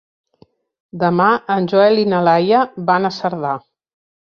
Demà en Joel i na Laia van a Cerdà.